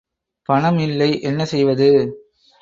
பணம் இல்லை என்ன செய்வது?